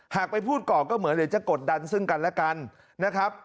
หากไปพูดก่อก็เหมือนจะกดดันซึ่งกันแล้วกันนะครับ